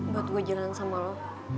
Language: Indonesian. buat gue jalanan sama lo